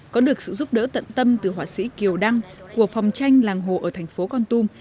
có được sự giúp đỡ tận tâm từ họa sĩ kiều đăng của phòng tranh làng hồ ở thành phố con tum